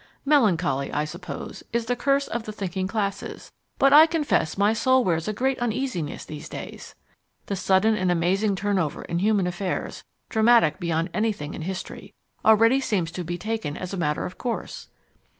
Melancholy, I suppose, is the curse of the thinking classes; but I confess my soul wears a great uneasiness these days! The sudden and amazing turnover in human affairs, dramatic beyond anything in history, already seems to be taken as a matter of course.